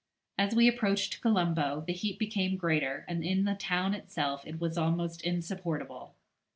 As we approached Colombo the heat became greater, and in the town itself it was almost insupportable.